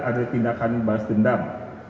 ada tindakan balas dendam